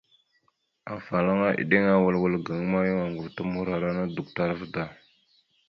Afalaŋa eɗeŋa awal wal gaŋa ma, yan oŋgov ta morara naɗ a duktar da.